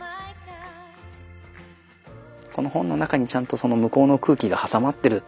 この本の中にちゃんとその向こうの空気が挟まってる。